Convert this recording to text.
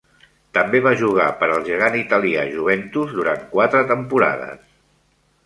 També va jugar per al gegant italià Juventus durant quatre temporades.